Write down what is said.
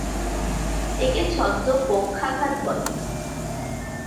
একে ছদ্ম পক্ষাঘাত বলে।